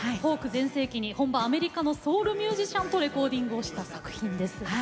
全盛期に本場アメリカのソウルミュージシャンとレコーディングをした作品です。